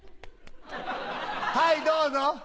はいどうぞ。